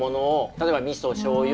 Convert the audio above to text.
例えばみそしょう油